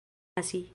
pasi